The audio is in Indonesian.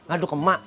aduh ke mak